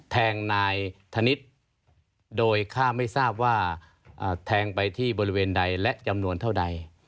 แทงนายธนิษฐ์โดยฆ่าไม่ทราบว่าแทงไปที่บริเวณใดและจำนวนเท่าใด